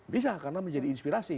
bisa karena menjadi inspirasi